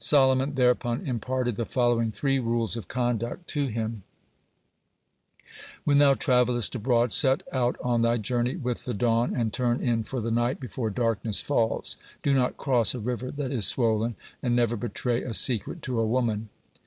Solomon thereupon imparted the following three rules of conduct to him: "When thou travellest abroad, set out on thy journey with the dawn and turn in for the night before darkness falls; do not cross a river that is swollen; and never betray a secret to a woman."